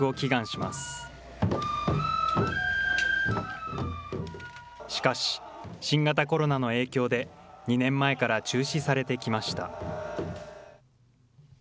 しかし、新型コロナの影響で、２年前から中止されてきました。